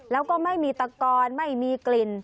แล้วก็ไม่มีตะกอนไม่มีกลิ่น